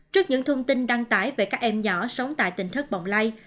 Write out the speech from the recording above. trước những thông tin đăng tải về các em nhỏ sống tại tỉnh thất bọng lây